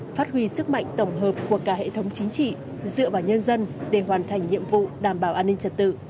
phát huy sức mạnh tổng hợp của cả hệ thống chính trị dựa vào nhân dân để hoàn thành nhiệm vụ đảm bảo an ninh trật tự